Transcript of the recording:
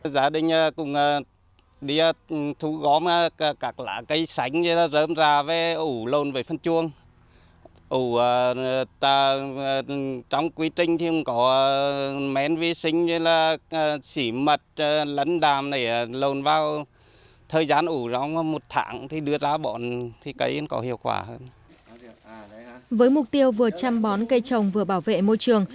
với mục tiêu vừa chăm bón cây trồng vừa bảo vệ môi trường